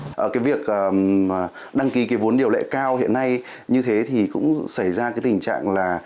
và cái việc đăng ký cái vốn điều lệ cao hiện nay như thế thì cũng xảy ra cái tình trạng là